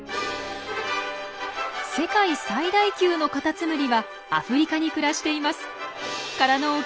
世界最大級のカタツムリはアフリカに暮らしています。